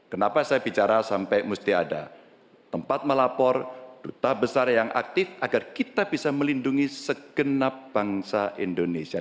kenapa saya bicara sampai mesti ada tempat melapor duta besar yang aktif agar kita bisa melindungi segenap bangsa indonesia